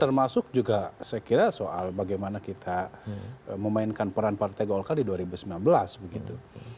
termasuk juga saya kira soal bagaimana kita memainkan peran partai golkar di dua ribu sembilan belas begitu